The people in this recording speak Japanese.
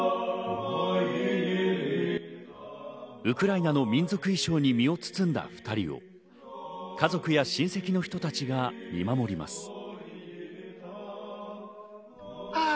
ウクライナの民族衣装に身を包んだ２人を家族や親戚の人たちが見守ります。